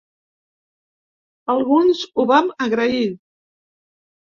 Alguns ho vam agrair.